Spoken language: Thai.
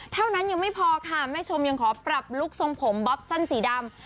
เท่านั้นยังไม่พอค่ะแม่ชมยังขอปรับลุคทรงผมบ๊อบสั้นสีดำ